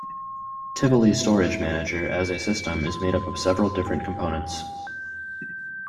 Tivoli Storage Manager as a system is made up of several different components.